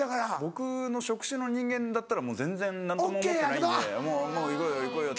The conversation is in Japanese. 僕の職種の人間だったらもう全然何とも思ってないんでもう行こうよ行こうよって。